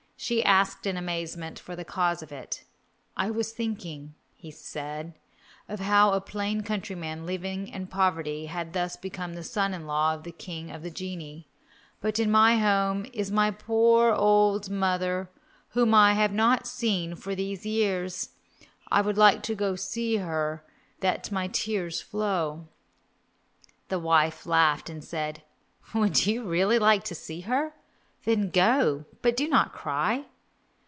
She asked in amazement for the cause of it. "I was thinking," said he, "of how a plain countryman living in poverty had thus become the son in law of the king of the genii. But in my home is my poor old mother, whom I have not seen for these years; I would so like to see her that my tears flow." The wife laughed, and said, "Would you really like to see her? Then go, but do not cry."